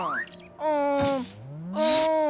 うんうん